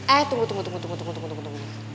eh tunggu tunggu tunggu